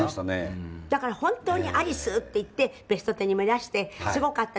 だから、本当にアリスっていって『ベストテン』にもいらしてすごかった。